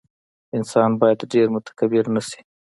انسان باید ډېر متکبر نه شي.